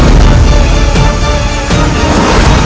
angkat ke meeran